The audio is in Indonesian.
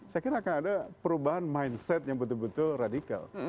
saya kira akan ada perubahan mindset yang betul betul radikal